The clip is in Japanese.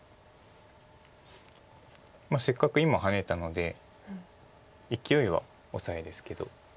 せっかく今ハネたのでいきおいはオサエですけど。